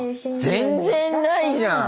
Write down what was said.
全然ないじゃん！